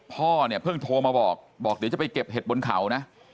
พ่อเพิ่งโทรมาบอกเดี๋ยวจะไปเก็บเห็ดบนเข่าน่ะ